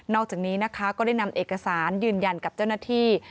อกจากนี้นะคะก็ได้นำเอกสารยืนยันกับเจ้าหน้าที่